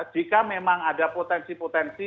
jika memang ada potensi potensi